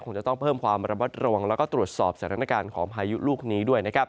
คงจะต้องเพิ่มความระมัดระวังแล้วก็ตรวจสอบสถานการณ์ของพายุลูกนี้ด้วยนะครับ